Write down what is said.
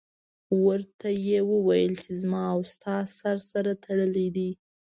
ورته یې وویل چې زما او ستا سر سره تړلی دی.